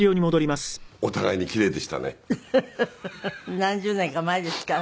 何十年か前ですからね。